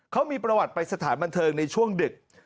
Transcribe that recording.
เขามีประวัติไปสถานบันเทิงในช่วงดึก